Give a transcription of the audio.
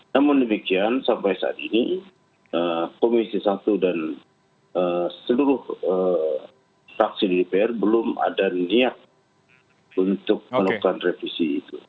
namun demikian sampai saat ini komisi satu dan seluruh fraksi di dpr belum ada niat untuk melakukan revisi itu